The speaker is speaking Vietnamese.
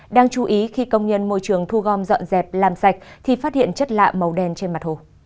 đáng chú ý khi công nhân môi trường thu gom dọn dẹp làm sạch thì phát hiện chất lạ màu đen trên mặt hồ